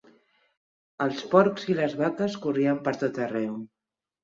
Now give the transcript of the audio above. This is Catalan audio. Els porcs i les vaques corrien per tot arreu.